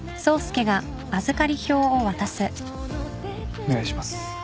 お願いします。